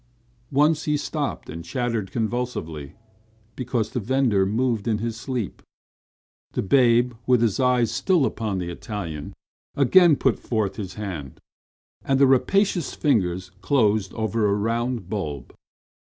Once he stopped and chattered convulsively, because the vendor moved in his sleep. The babe, with his eyes still upon the Italian, again put forth his hand, and the rapacious fingers closed over a round bulb.